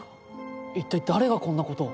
一体誰がこんな事を。